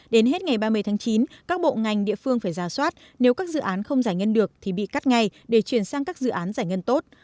đến hết ngày ba mươi tháng chín các bộ ngành địa phương phải ra soát nếu các dự án không giải ngân được thì bị cắt ngay để chuyển sang các dự án giải ngân tốt